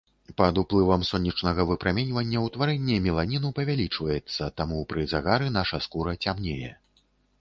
Пад уплывам сонечнага выпраменьвання ўтварэнне меланіну павялічваецца, таму пры загары наша скура цямнее.